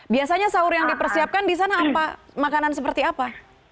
biasanya sahur yang dipersiapkan disana makanan seperti apa